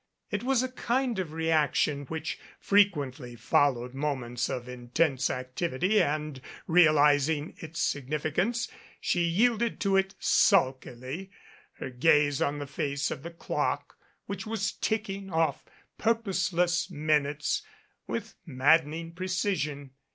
It was a kind of reaction which frequently followed moments of intense activity and, realizing its significance, she yielded to it sulkily, her gaze on the face of the clock which was tick ing off purposeless minutes with maddening precision.